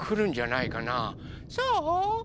そう？